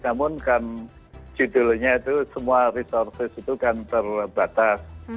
dan judulnya itu semua resursus itu kan terbatas